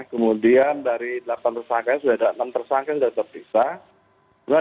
kemudian dari delapan tersangka sudah ada enam tersangka yang sudah terpisah